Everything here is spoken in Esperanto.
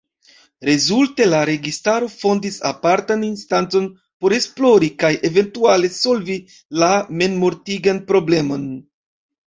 Rezulte la registaro fondis apartan instancon por esplori kaj eventuale solvi la memmortigan problemon.